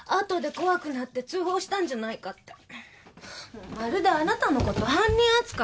もうまるであなたのこと犯人扱い。